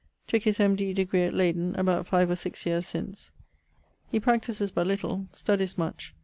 Tooke his M.D. degree at Leyden about 5 or 6 yeares since. He practises but little; studies much.